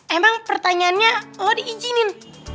emang pertanyaannya lo diizinin